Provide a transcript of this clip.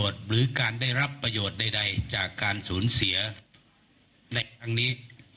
จากการศูนย์เสียในครั้งนี้